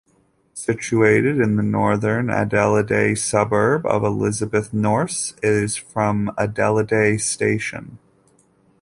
Situated in the northern Adelaide suburb of Elizabeth North, it is from Adelaide station.